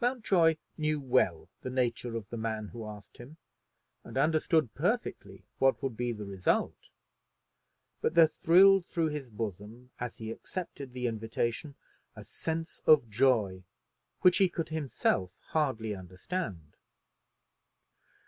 Mountjoy knew well the nature of the man who asked him, and understood perfectly what would be the result; but there thrilled through his bosom, as he accepted the invitation, a sense of joy which he could himself hardly understand.